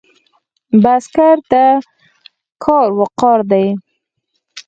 بزګر ته کار وقار دی